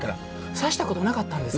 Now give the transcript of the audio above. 差したことがなかったんですか。